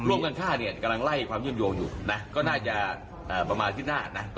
เวลาก่อเหตุสามีก็จะไปพบ